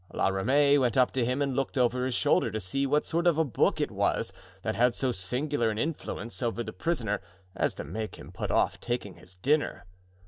La Ramee went up to him and looked over his shoulder to see what sort of a book it was that had so singular an influence over the prisoner as to make him put off taking his dinner.